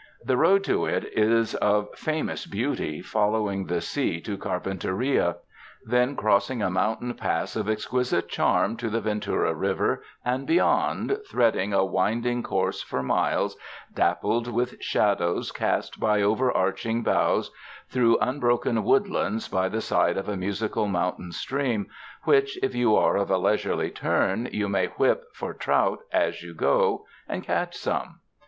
The road to it is of fa mous beauty, following the sea to Carpinteria; then crossing a mountain pass of exquisite charm to the Ventura River, and beyond threading a winding course for miles, dappled with shadows cast by over arching boughs, through unbroken woodlands by the side of a musical mountain stream, which, if you are of a leisurely turn, you may whip for trout as you go, and catch some.